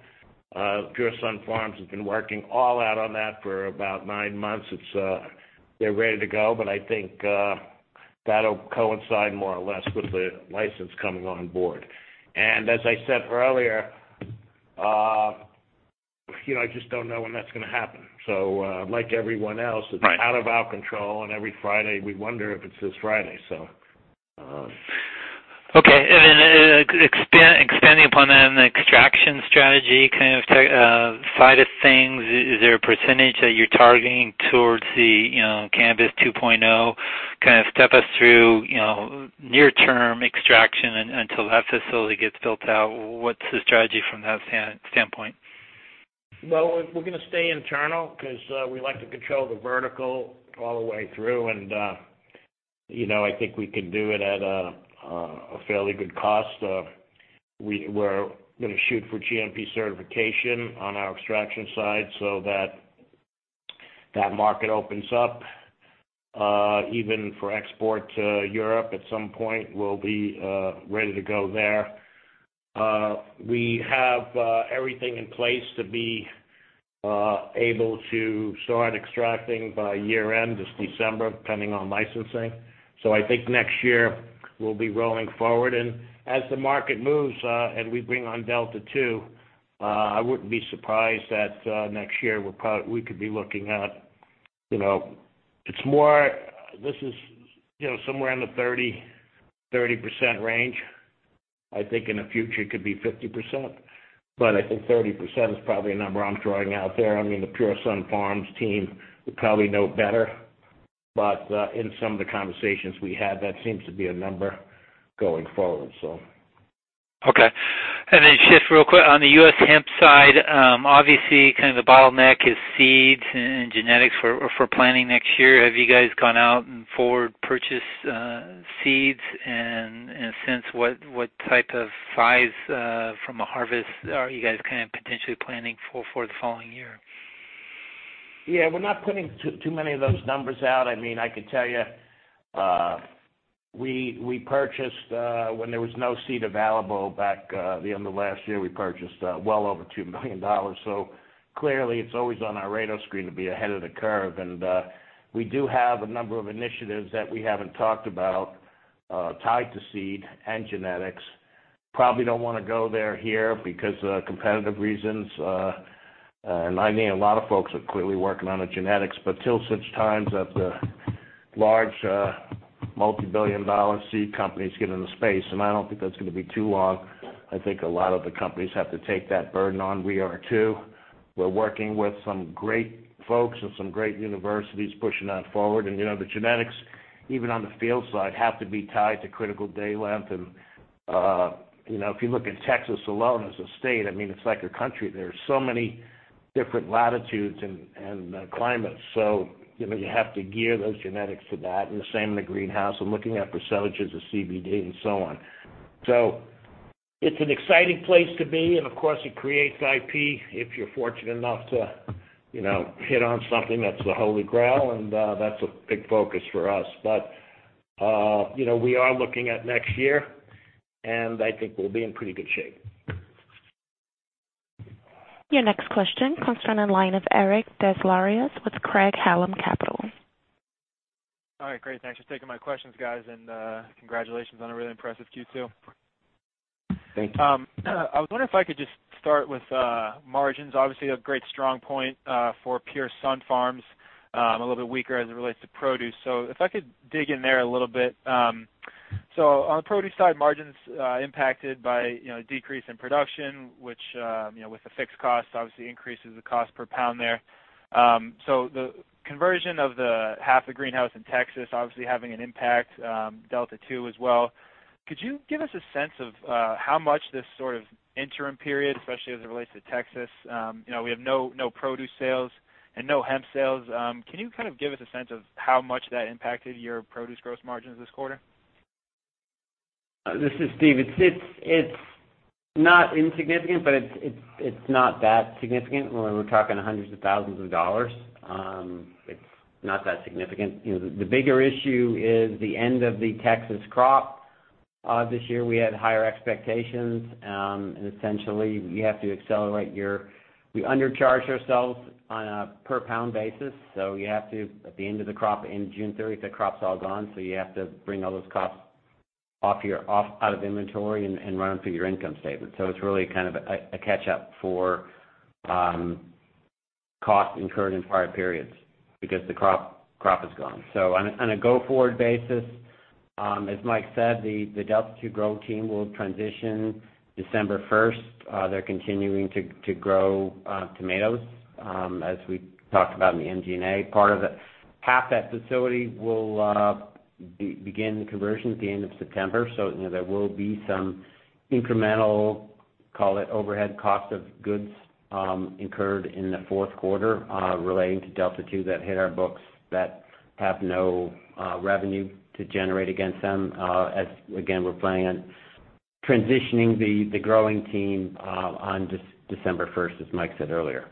Pure Sunfarms has been working all out on that for about nine months. They're ready to go, but I think that'll coincide more or less with the license coming on board. as I said earlier, I just don't know when that's going to happen. like everyone else- Right it's out of our control, and every Friday we wonder if it's this Friday, so. Okay. expanding upon that and the extraction strategy kind of side of things, is there a percentage that you're targeting towards the Cannabis 2.0? Kind of step us through near term extraction until that facility gets built out. What's the strategy from that standpoint? Well, we're going to stay internal because we like to control the vertical all the way through and I think we can do it at a fairly good cost. We're going to shoot for GMP certification on our extraction side so that market opens up. Even for export to Europe at some point, we'll be ready to go there. We have everything in place to be able to start extracting by year-end, this December, depending on licensing. I think next year we'll be rolling forward. As the market moves, and we bring on Delta 2, I wouldn't be surprised that, next year, we could be looking at this is somewhere in the 30% range. I think in the future it could be 50%, but I think 30% is probably a number I'm throwing out there. The Pure Sunfarms team would probably know better, but in some of the conversations we had, that seems to be a number going forward, so. Okay. Shift real quick. On the U.S. hemp side, obviously kind of the bottleneck is seeds and genetics for planting next year. Have you guys gone out and forward purchased seeds and since what type of size, from a harvest are you guys kind of potentially planning for the following year? Yeah, we're not putting too many of those numbers out. I could tell you, we purchased, when there was no seed available back at the end of last year, we purchased well over 2 million dollars. Clearly it's always on our radar screen to be ahead of the curve. We do have a number of initiatives that we haven't talked about, tied to seed and genetics. Probably don't want to go there here because of competitive reasons. A lot of folks are clearly working on the genetics, but till such times that the large, multi-billion dollar seed companies get in the space, and I don't think that's going to be too long. I think a lot of the companies have to take that burden on. We are too. We're working with some great folks and some great universities pushing that forward. the genetics, even on the field side, have to be tied to critical day length and If you look at Texas alone as a state, it's like a country. There are so many different latitudes and climates. you have to gear those genetics to that, and the same in the greenhouse and looking at percentages of CBD and so on. it's an exciting place to be, and of course, it creates IP if you're fortunate enough to hit on something that's the Holy Grail, and that's a big focus for us. we are looking at next year, and I think we'll be in pretty good shape. Your next question comes from the line of Eric Des Lauriers with Craig-Hallum Capital. All right, great. Thanks for taking my questions, guys, and congratulations on a really impressive Q2. Thank you. I was wondering if I could just start with margins. Obviously, a great strong point for Pure Sunfarms. A little bit weaker as it relates to produce. If I could dig in there a little bit. On the produce side, margins impacted by decrease in production, which, with the fixed costs, obviously increases the cost per pound there. The conversion of the half the greenhouse in Texas, obviously having an impact, Delta 2 as well. Could you give us a sense of how much this sort of interim period, especially as it relates to Texas, we have no produce sales and no hemp sales. Can you kind of give us a sense of how much that impacted your produce gross margins this quarter? This is Steve. It's not insignificant, but it's not that significant. We're talking hundreds of thousands of dollars. It's not that significant. The bigger issue is the end of the Texas crop. This year, we had higher expectations. Essentially, we undercharge ourselves on a per-pound basis. At the end of the crop, end of June 30th, that crop's all gone, so you have to bring all those costs out of inventory and run them through your income statement. It's really kind of a catch-up for costs incurred in prior periods because the crop is gone. On a go-forward basis, as Mike said, the Delta Two grow team will transition December 1st. They're continuing to grow tomatoes, as we talked about in the MD&A part of it. Half that facility will begin conversion at the end of September. there will be some incremental, call it overhead cost of goods, incurred in the fourth quarter relating to Delta Two that hit our books that have no revenue to generate against them. As again, we're planning on transitioning the growing team on December 1st, as Mike said earlier.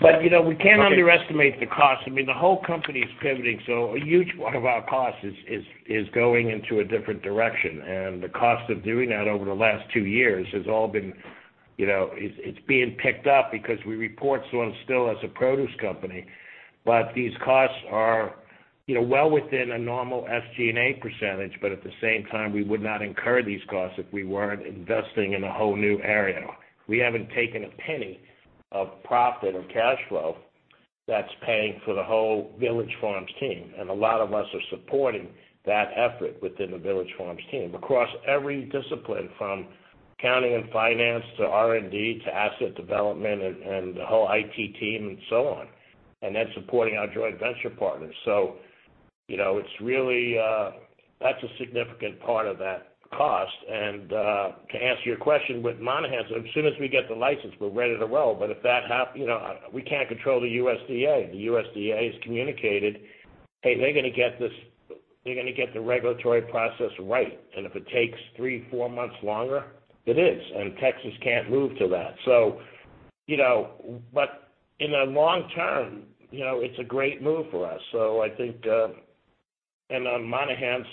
We can't underestimate the cost. The whole company is pivoting, so a huge part of our cost is going into a different direction. The cost of doing that over the last two years, it's being picked up because we report still as a produce company. These costs are well within a normal SG&A percentage. At the same time, we would not incur these costs if we weren't investing in a whole new area. We haven't taken a penny of profit or cash flow that's paying for the whole Village Farms team. A lot of us are supporting that effort within the Village Farms team, across every discipline, from accounting and finance to R&D, to asset development and the whole IT team and so on. Supporting our joint venture partners. That's a significant part of that cost. To answer your question with Monahans, as soon as we get the license, we're ready to roll. We can't control the USDA. The USDA has communicated, hey, they're going to get the regulatory process right. If it takes three, four months longer, it is, and Texas can't move till that. In the long term, it's a great move for us. I think, and on Monahans,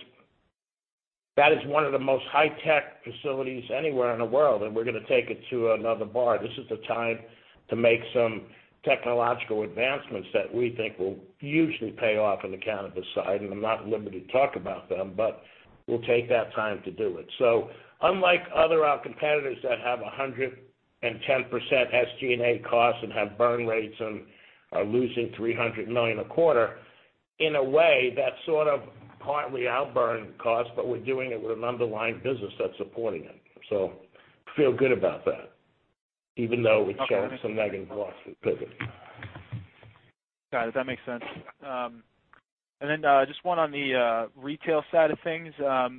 that is one of the most high-tech facilities anywhere in the world, and we're going to take it to another bar. This is the time to make some technological advancements that we think will hugely pay off on the cannabis side. I'm not at liberty to talk about them, but we'll take that time to do it. unlike other competitors that have 110% SG&A costs and have burn rates and are losing 300 million a quarter, in a way, that's sort of partly our burn cost, but we're doing it with an underlying business that's supporting it. Feel good about that, even though we took some negative loss with pivot. Got it. That makes sense. then just one on the retail side of things. I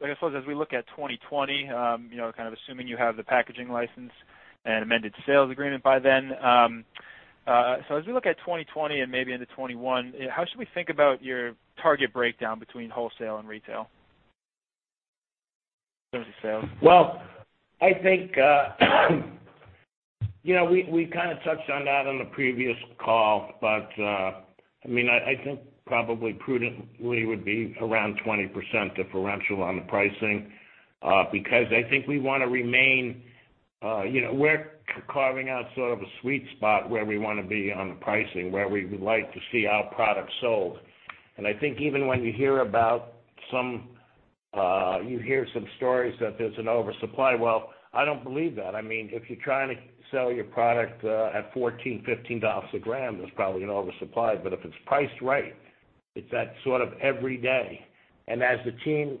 guess as we look at 2020, kind of assuming you have the packaging license and amended sales agreement by then. as we look at 2020 and maybe into 2021, how should we think about your target breakdown between wholesale and retail in terms of sales? Well, I think we kind of touched on that on the previous call. I think probably prudently would be around 20% differential on the pricing. Because I think we want to remain. We're carving out sort of a sweet spot where we want to be on the pricing, where we would like to see our product sold. I think even when you hear some stories that there's an oversupply, well, I don't believe that. If you're trying to sell your product at 14 dollars, CAD 15 a gram, there's probably an oversupply. If it's priced right, it's that sort of every day. As the team,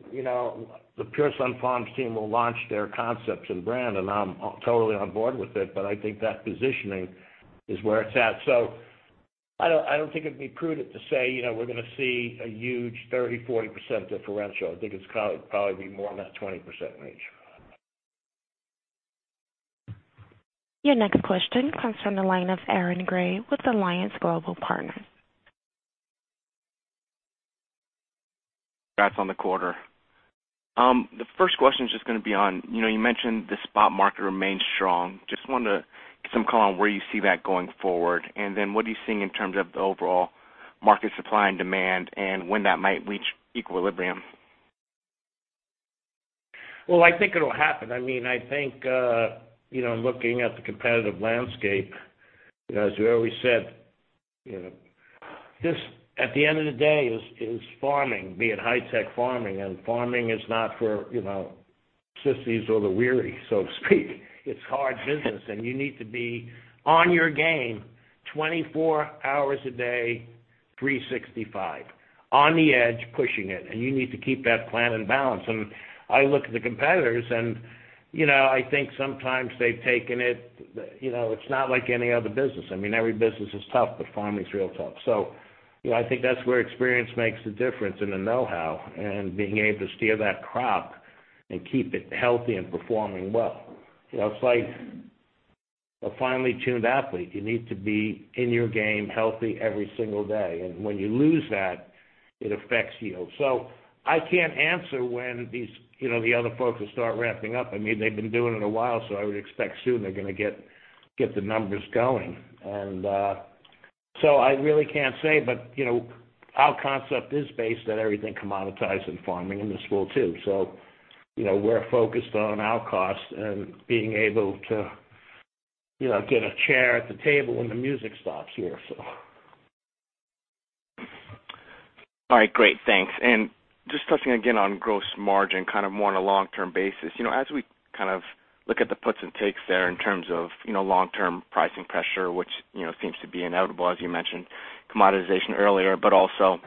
the Pure Sunfarms team will launch their concepts and brand, and I'm totally on board with it. I think that positioning is where it's at. I don't think it'd be prudent to say, we're going to see a huge 30%-40% differential. I think it's probably be more in that 20% range. Your next question comes from the line of Aaron Grey with Alliance Global Partners. Congrats on the quarter. The first question is just going to be on, you mentioned the spot market remains strong. Just wanted to get some call on where you see that going forward, and then what are you seeing in terms of the overall market supply and demand, and when that might reach equilibrium? Well, I think it'll happen. I think, looking at the competitive landscape, as we always said, this, at the end of the day, is farming, being high-tech farming, and farming is not for sissies or the weary, so to speak. It's hard business, and you need to be on your game 24 hours a day, 365. On the edge pushing it, and you need to keep that plan in balance. I look at the competitors and, I think sometimes they've taken it. It's not like any other business. Every business is tough, but farming's real tough. I think that's where experience makes a difference and the knowhow, and being able to steer that crop and keep it healthy and performing well. It's like a finely tuned athlete. You need to be in your game healthy every single day. When you lose that, it affects you. I can't answer when the other folks will start ramping up. They've been doing it a while, so I would expect soon they're going to get the numbers going. I really can't say, but our concept is based on everything commoditized in farming, and this will too. We're focused on our costs and being able to get a chair at the table when the music stops here, so. All right. Great. Thanks. just touching again on gross margin, kind of more on a long-term basis. As we kind of look at the puts and takes there in terms of long-term pricing pressure, which seems to be inevitable, as you mentioned commoditization earlier, but also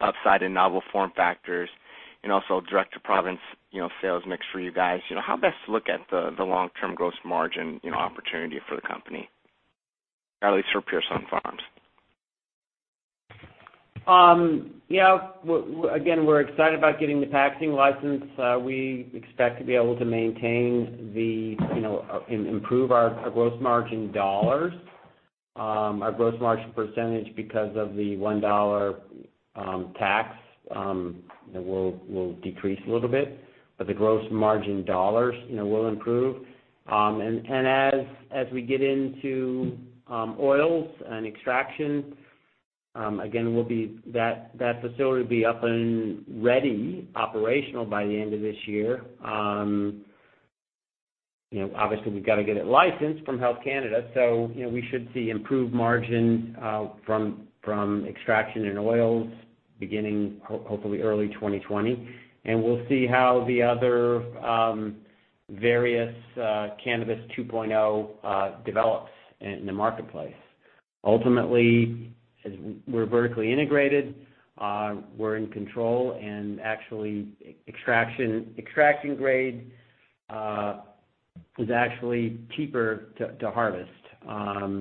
upside in novel form factors, and also direct-to-province sales mix for you guys, how best to look at the long-term gross margin opportunity for the company? At least for Pure Sunfarms. Again, we're excited about getting the packaging license. We expect to be able to improve our gross margin dollars. Our gross margin percentage because of the 1 dollar tax, will decrease a little bit, but the gross margin dollars will improve. As we get into oils and extraction, again, that facility will be up and ready, operational by the end of this year. Obviously, we've got to get it licensed from Health Canada. We should see improved margin from extraction and oils beginning, hopefully early 2020. We'll see how the other various Cannabis 2.0 develops in the marketplace. Ultimately, as we're vertically integrated, we're in control and actually, extraction grade is actually cheaper to harvest,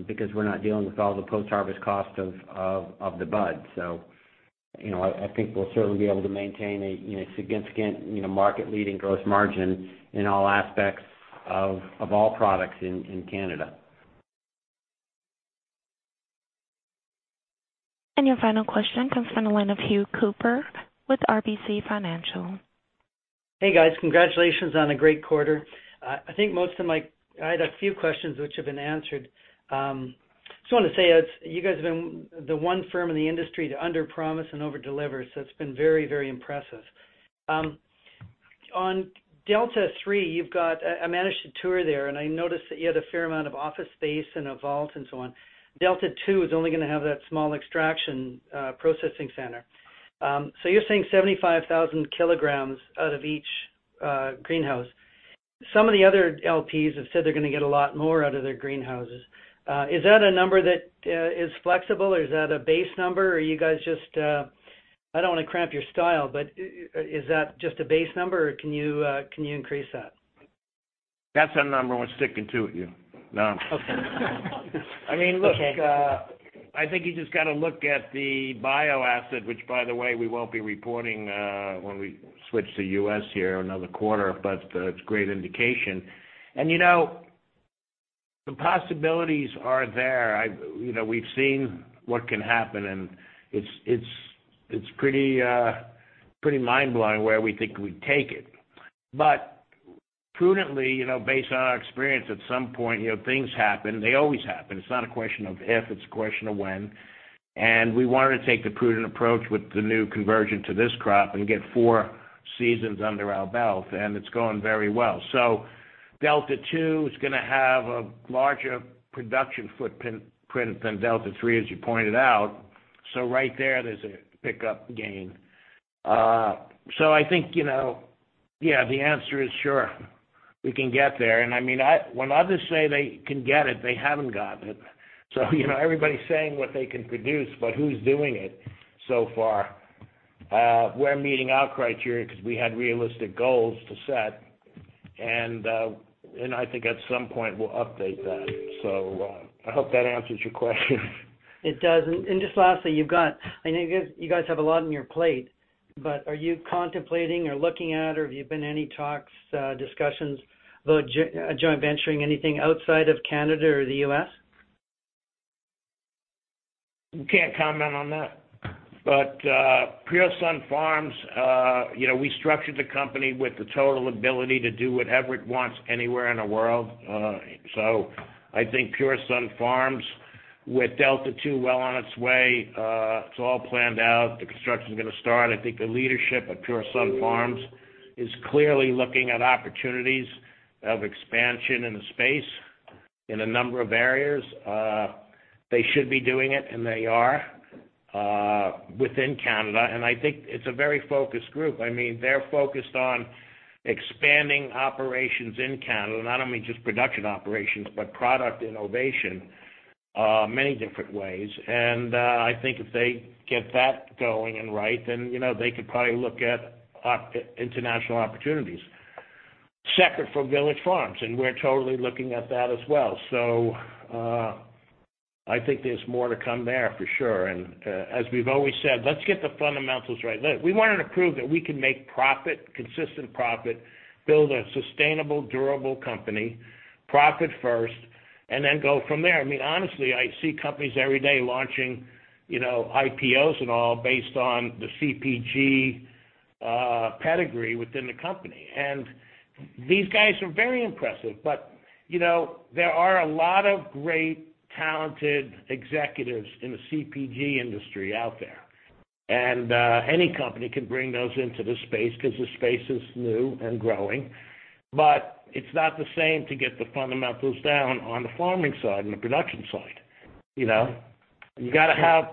because we're not dealing with all the post-harvest cost of the bud. I think we'll certainly be able to maintain a significant market-leading gross margin in all aspects of all products in Canada. Your final question comes from the line of Hugh Cooper with RBC Financial. Hey, guys. Congratulations on a great quarter. I had a few questions which have been answered. Just want to say, you guys have been the one firm in the industry to underpromise and overdeliver, so it's been very, very impressive. On Delta 3, I managed a tour there, and I noticed that you had a fair amount of office space and a vault and so on. Delta-2 is only going to have that small extraction processing center. You're saying 75,000 kilograms out of each greenhouse. Some of the other LPs have said they're going to get a lot more out of their greenhouses. Is that a number that is flexible or is that a base number? I don't want to cramp your style, but is that just a base number or can you increase that? That's the number we're sticking to you. No. Okay. I think you just got to look at the bioasset, which by the way, we won't be reporting when we switch to U.S. here another quarter, but it's great indication. The possibilities are there. We've seen what can happen, and it's pretty mind-blowing where we think we'd take it. Prudently, based on our experience, at some point, things happen. They always happen. It's not a question of if, it's a question of when. We wanted to take the prudent approach with the new conversion to this crop and get four seasons under our belt, and it's going very well. Delta-2 is going to have a larger production footprint than Delta-3, as you pointed out. Right there's a pickup gain. I think, yeah, the answer is sure, we can get there. When others say they can get it, they haven't gotten it. everybody's saying what they can produce, but who's doing it so far? We're meeting our criteria because we had realistic goals to set. I think at some point we'll update that. I hope that answers your question. It does. Just lastly, I know you guys have a lot on your plate, but are you contemplating or looking at, or have you been in any talks, discussions about joint venturing, anything outside of Canada or the U.S.? We can't comment on that. Pure Sunfarms, we structured the company with the total ability to do whatever it wants anywhere in the world. I think Pure Sunfarms, with Delta Two well on its way, it's all planned out. The construction's going to start. I think the leadership at Pure Sunfarms is clearly looking at opportunities of expansion in the space in a number of areas. They should be doing it, and they are, within Canada. I think it's a very focused group. They're focused on expanding operations in Canada, not only just production operations, but product innovation, many different ways. I think if they get that going and right, then they could probably look at international opportunities separate from Village Farms, and we're totally looking at that as well. I think there's more to come there for sure. as we've always said, let's get the fundamentals right. We wanted to prove that we can make profit, consistent profit, build a sustainable, durable company, profit first, and then go from there. Honestly, I see companies every day launching IPOs and all based on the CPG pedigree within the company. these guys are very impressive. there are a lot of great talented executives in the CPG industry out there. any company can bring those into the space because the space is new and growing. it's not the same to get the fundamentals down on the farming side and the production side. You got to have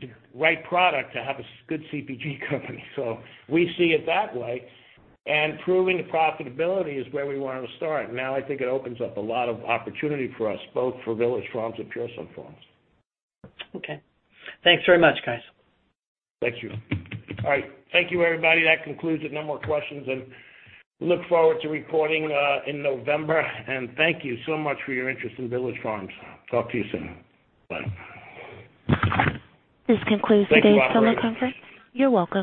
the right product to have a good CPG company. we see it that way, and proving profitability is where we want to start. Now, I think it opens up a lot of opportunity for us, both for Village Farms and Pure Sunfarms. Okay. Thanks very much, guys. Thank you. All right. Thank you everybody. That concludes it. No more questions, and look forward to reporting in November. Thank you so much for your interest in Village Farms. Talk to you soon. Bye. This concludes today's teleconference. Thanks, operator. You're welcome.